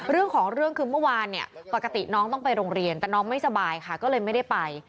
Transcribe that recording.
เรื่องของเรื่องคือเมื่อวานเนี่ยปกติน้องต้องไปโรงเรียนแต่น้องไม่สบายค่ะก็เลยไม่ได้ไป